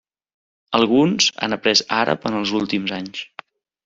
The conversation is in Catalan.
Alguns han après àrab en els últims anys.